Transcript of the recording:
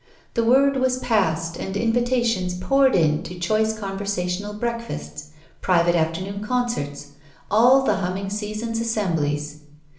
The word was passed, and invitations poured in to choice conversational breakfasts, private afternoon concerts, all the humming season's assemblies.